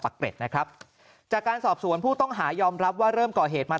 เกร็ดนะครับจากการสอบสวนผู้ต้องหายอมรับว่าเริ่มก่อเหตุมา